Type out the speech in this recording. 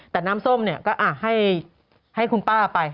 แต่น้ำส้มเนี่ยก็ให้คุณป้าไป